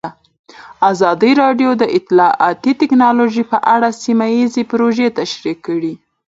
ازادي راډیو د اطلاعاتی تکنالوژي په اړه سیمه ییزې پروژې تشریح کړې.